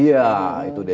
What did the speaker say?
iya itu dia